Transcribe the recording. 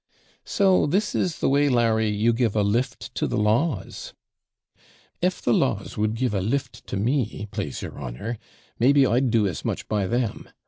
'So this is the way, Larry, you give a lift to the laws!' 'If the laws would give a lift to me, plase your honour, maybe I'd do as much by them.